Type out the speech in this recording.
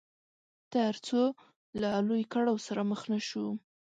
تر څو له لوی کړاو سره مخ نه شو.